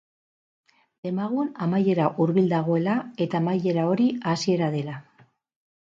Demagun amaiera hurbil dagoela eta amaiera hori hasiera dela.